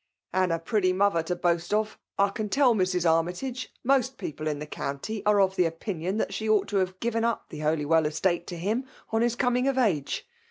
"And a pretty mother to boast of! — I can Idl Mrs. Armytage, most people in the county are of opinion that she ought to have given up ^e Holywell estate to him on his coming of iige.